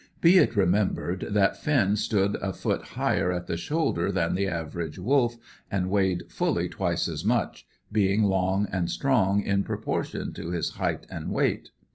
Be it remembered that Finn stood a foot higher at the shoulder than the average wolf, and weighed fully twice as much, being long and strong in proportion to his height and weight.